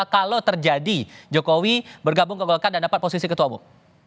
kalau terjadi jokowi bergabung ke golkar dan dapat posisi ketua umum